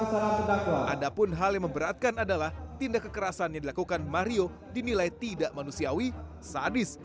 padahal yang memberatkan adalah tindak kekerasan yang dilakukan mario dinilai tidak manusiawi sadis